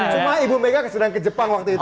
cuma ibu mega sedang ke jepang waktu itu